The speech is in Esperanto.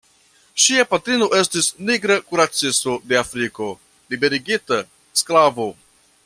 Ŝia patrino estis nigra kuracisto de Afriko, liberigita sklavo.